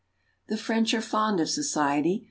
The French are fond of society.